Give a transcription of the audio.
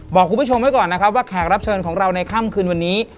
บอกคุณผู้ชมไว้ก่อนนะครับว่าแขกรับเชิญของเราในค่ำคืนวันนี้